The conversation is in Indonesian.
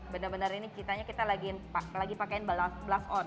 benar benar ini kita lagi pakai blush on